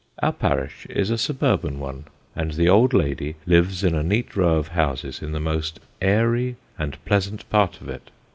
Our parish is a suburban one, and the old lady lives in a neat row of houses in the most airy and pleasant part of it.